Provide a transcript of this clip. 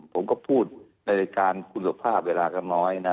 ผมก็พูดในรายการคุณสุภาพเวลาก็น้อยนะ